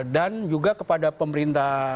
dan juga kepada pemerintah